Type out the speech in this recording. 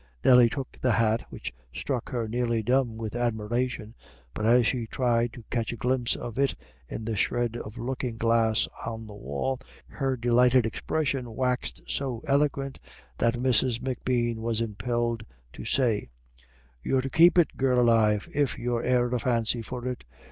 Nelly took the hat, which struck her nearly dumb with admiration, but as she tried to catch a glimpse of it in the shred of looking glass on the wall, her delighted expression waxed so eloquent that Mrs. M'Bean was impelled to say: "You're to keep it, girl alive, if you've e'er a fancy for it.